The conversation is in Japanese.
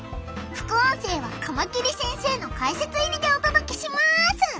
副音声はカマキリ先生の解説入りでお届けします！